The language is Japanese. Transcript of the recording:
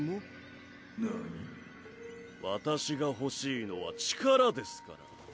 私が欲しいのは力ですから。